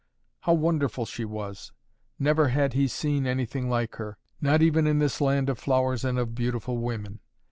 How wonderful she was! Never had he seen anything like her, not even in this land of flowers and of beautiful women.